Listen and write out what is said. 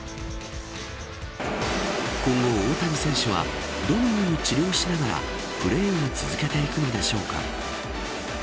今後大谷選手はどのように治療しながらプレーを続けていくのでしょうか。